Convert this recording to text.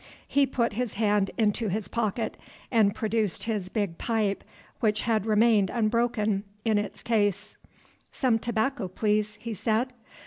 He put his hand into his pocket, and produced his big pipe, which had remained unbroken in its case. "Some tobacco, please," he said.